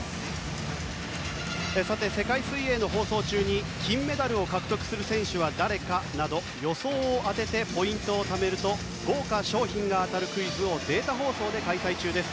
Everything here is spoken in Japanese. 世界水泳の放送中に金メダルを獲得する選手は誰かなど予想を当ててポイントをためると豪華賞品が当たるクイズをデータ放送で開催中です。